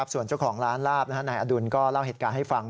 ส่วนเจ้าของร้านลาบนายอดุลก็เล่าเหตุการณ์ให้ฟัง